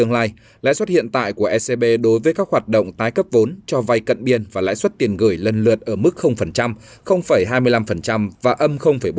lãi suất hiện tại của ecb đối với các hoạt động tái cấp vốn cho vay cận biên và lãi suất tiền gửi lần lượt ở mức hai mươi năm và âm bốn